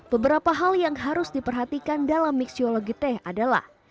beberapa hal yang harus diperhatikan dalam miksiologi teh adalah